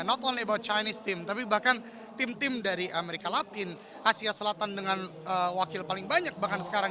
not on about chinese team tapi bahkan tim tim dari amerika latin asia selatan dengan wakil paling banyak bahkan sekarang